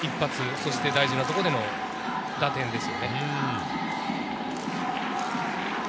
そして大事なところでの打点です。